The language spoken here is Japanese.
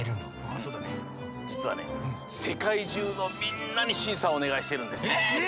あそうだね。じつはねせかいじゅうのみんなにしんさをおねがいしてるんです。え！え！